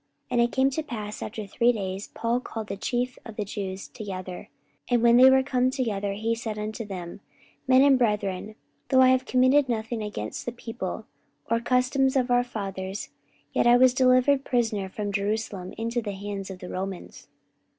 44:028:017 And it came to pass, that after three days Paul called the chief of the Jews together: and when they were come together, he said unto them, Men and brethren, though I have committed nothing against the people, or customs of our fathers, yet was I delivered prisoner from Jerusalem into the hands of the Romans.